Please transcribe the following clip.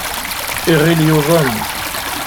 Iɣil yuḍen.